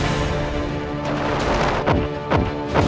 jangan lupa untuk berlangganan